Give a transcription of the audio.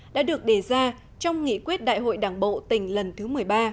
đã được đề ra trong nghị quyết đại hội đảng bộ tỉnh lần thứ một mươi ba